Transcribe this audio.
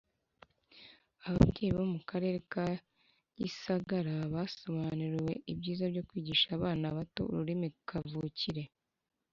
Ababyeyi bo mu Karere ka Gisagara basobanuriwe ibyiza byo kwigisha abana bato ururimi kavukire